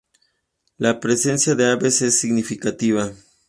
La presencia de aves es significativa.